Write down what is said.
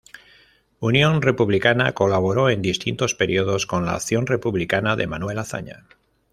Unión Republicana colaboró en distintos periodos con la Acción Republicana de Manuel Azaña.